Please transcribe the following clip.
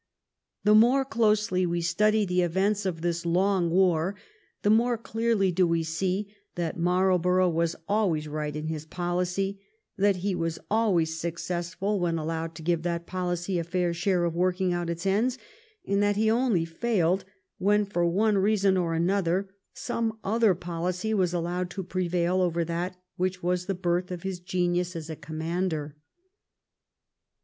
The more closely we study the events of this long war the more clearly 346 WHAT THE WAR WAS COMING TO do we see that Marlborough was always right in his policy, that he was always successful when allowed to give that policy a fair chance of working out its ends, and that he only failed when for one reason or another some other policy was allowed to prevail over that which was the birth of his genius as a commander.